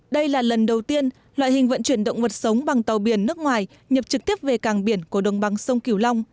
đây là lần đầu tiên loại hình vận chuyển động vật sống bằng tàu biển nước ngoài nhập trực tiếp về càng biển của đông băng sông kiều long